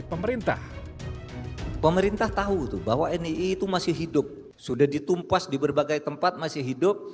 pemerintah pemerintah tahu tuh bahwa nii itu masih hidup sudah ditumpas di berbagai tempat masih hidup